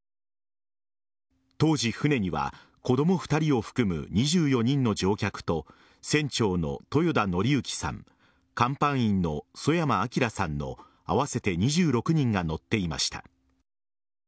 当時、船には子供２人を含む２４人の乗客と船長の豊田徳幸さん甲板員の曽山聖さんの合わせて２６人が乗っていました。